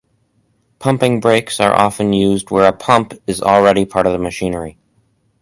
Pumping brakes are often used where a pump is already part of the machinery.